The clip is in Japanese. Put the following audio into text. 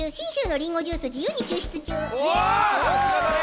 さすがだね。